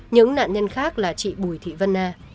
những nạn nhân khác là chị bùi thị vân nga